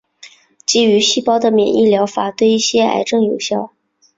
基于细胞的免疫疗法对一些癌症有效。